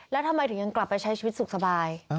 แล้วทำไมถึงยังกลับไปใช้ชีวิตสุขสบาย